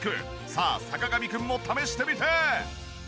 さあ坂上くんも試してみて！